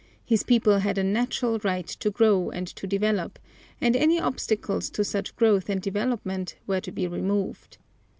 His people had a natural right to grow and to develop, and any obstacles to such growth and development were to be removed.